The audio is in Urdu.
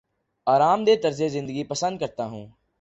آرام دہ طرز زندگی پسند کرتا ہوں